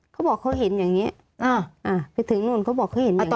เขาบอกเขาเห็นอย่างนี้ไปถึงนู่นเขาบอกเขาเห็นมาก่อน